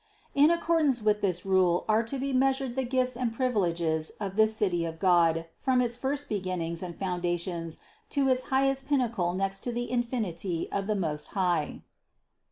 In accordance with this rule are to be measured the gifts and privileges of this City of God from its first beginnings and foundations to its highest pinnacle next to the infinity of the Most High.